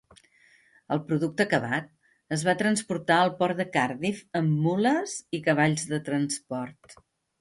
El producte acabat es va transportar al port de Cardiff amb mules i cavalls de transport.